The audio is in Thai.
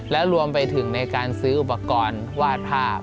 และรวมไปถึงในการซื้ออุปกรณ์วาดภาพ